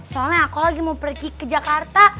soalnya aku lagi mau pergi ke jakarta